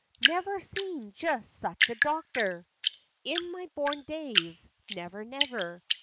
" Never seen jess such a doctor! In my born days; never, never!"